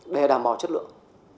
để đảm bảo chất lượng